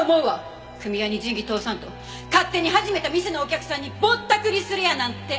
組合に仁義通さんと勝手に始めた店のお客さんにぼったくりするやなんて。